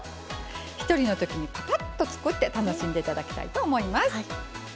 一人のときにぱぱっと作って楽しんでいただきたいと思います。